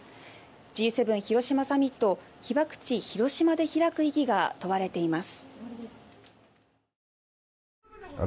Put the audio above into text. Ｇ７広島サミット被爆地・広島で開く意義が問われています。